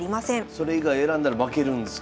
それ以外選んだら負けるんですか。